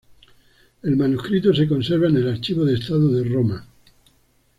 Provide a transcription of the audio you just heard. El manuscrito se conserva en el Archivo de Estado de Roma, ms.